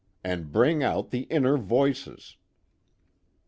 And bring out the inner voices."